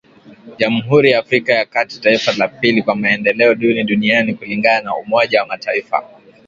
Jamhuri ya Afrika ya kati taifa la pili kwa maendeleo duni duniani kulingana na umoja wa mataifa